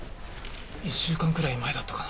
１週間くらい前だったかな。